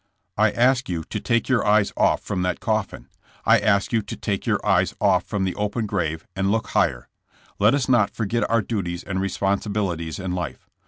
I ask you to take your eyes off from that coffin ; I ask you to take your eyes off from the open grave and look higher. Let us not forget our duties and responsibilities in life.